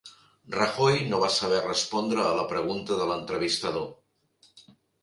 Rajoy no va saber respondre a la pregunta de l'entrevistador